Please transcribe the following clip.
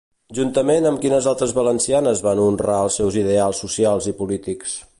Juntament amb quines altres valencianes van honrar els seus ideals socials i polítics?